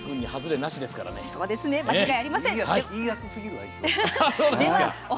いいやつすぎる、あいつは。